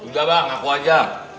udah bang aku aja